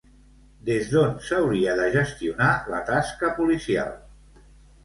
Des d'on s'hauria de gestionar la tasca policial?